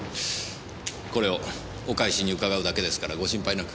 これをお返しに伺うだけですからご心配なく。